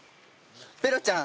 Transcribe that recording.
ペロちゃん